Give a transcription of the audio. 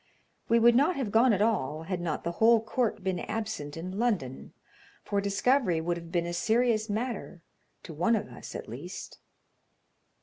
We would not have gone at all had not the whole court been absent in London, for discovery would have been a serious matter to one of us at least.